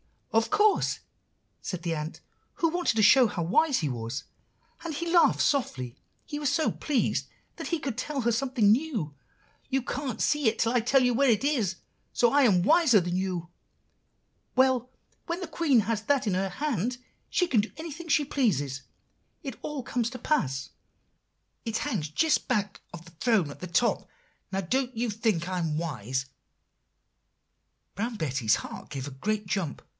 "'Of course,' said the ant who wanted to show how wise he was; and he laughed softly, he was so pleased that he could tell her something new. 'You can't see it till I tell you where it is, so I am wiser than you. Well, when the Queen has that in her hand, she can do anything she pleases, it all comes to pass. It hangs just back of the throne, at the top. Now, don't you think I am wise?' "Brown Betty's heart gave a great jump.